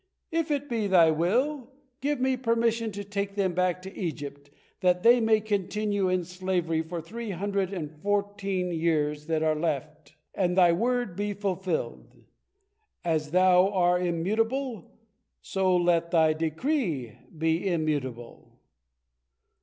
If it be Thy will, give me permission to take them back to Egypt, that they may continue in slavery for the three hundred and fourteen years that are left, and Thy word be fulfilled. As Thou are immutable, so let Thy decree be immutable!"